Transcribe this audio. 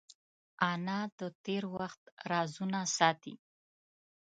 انا د تېر وخت رازونه ساتي